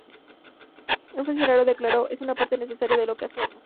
Un funcionario declaró: "Es una parte necesaria de lo que hacemos.